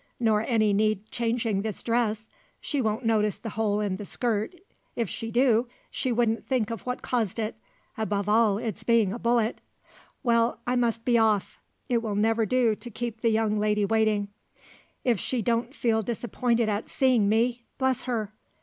Nor any need changing this dress. She won't notice the hole in the skirt. If she do, she wouldn't think of what caused it above all it's being a bullet. Well, I must be off! It will never do to keep the young lady waiting. If she don't feel disappointed at seeing me, bless her!